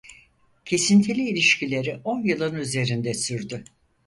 Kesintili ilişkileri on yılın üzerinde sürdü.